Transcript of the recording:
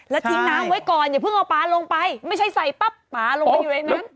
แล้วทิ้งน้ำไว้ก่อนอย่าเพิ่งเอาปลาลงไปไม่ใช่ใส่ปั๊บปลาลงไปอยู่ในนั้น